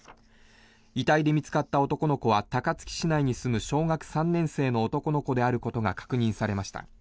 遺体で見つかった男の子は高槻市内に住む小学３年生の男の子であることが確認されました。